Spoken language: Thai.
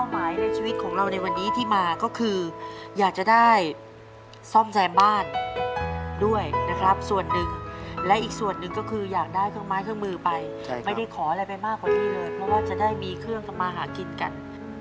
ไม่ได้ขออะไรไปมากกว่าที่เลยเพราะว่าจะได้มีเครื่องมาหากินกัน